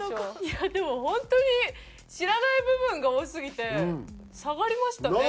でも本当に知らない部分が多すぎて下がりましたね。